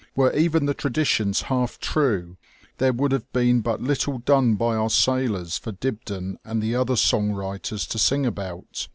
Were even the tra ditions half true, there would have been but little done by our sailors for Dibdin and the other song writers to sing about